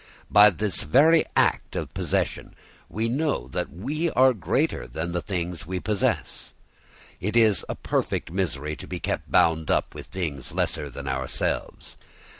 By the very act of possession we know that we are greater than the things we possess. It is a perfect misery to be kept bound up with things lesser than ourselves.